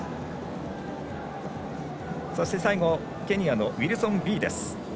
そして最後、ケニアのウィルソン・ビイです。